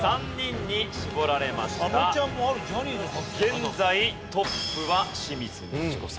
現在トップは清水ミチコさん。